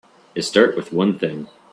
It start with one thing.